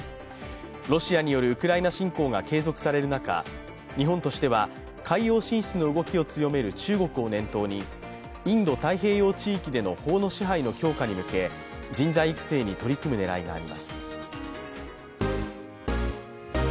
ロシアによるウクライナ侵攻が継続される中日本としては海洋進出の動きを強める中国を念頭にインド太平洋地域での法の支配の強化のため人材育成に取り組む狙いがあります。